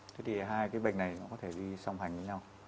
thế thì hai cái bệnh này nó có thể đi song hành với nhau